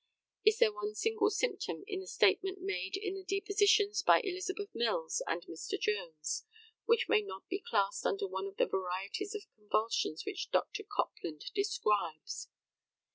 Is there one single symptom in the statement made in the depositions by Elizabeth Mills and Mr. Jones which may not be classed under one of the varieties of convulsions which Dr. Copland describes?